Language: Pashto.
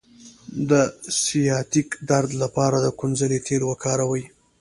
د سیاتیک درد لپاره د کونځلې تېل وکاروئ